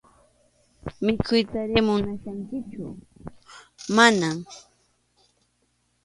¿Mikhuytari munachkankichu?- Mana.